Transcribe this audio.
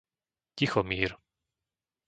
Tichomír